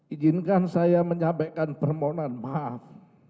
izinkan saya menyampaikan permohonan maaf